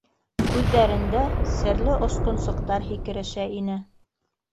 Күҙҙәрендә серле осҡонсоҡтар һикерешә ине